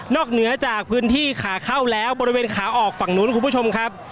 เหนือจากพื้นที่ขาเข้าแล้วบริเวณขาออกฝั่งนู้นคุณผู้ชมครับ